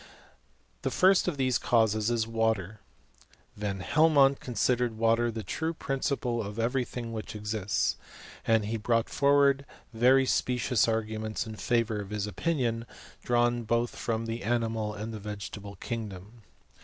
The tirst of these causes \» water. Van Helmont considered water as the true' principle of every thing which exists ; and he brought forward very specious arguments in favour of his o nion, drawn both from the animal and veg^etable kingdom.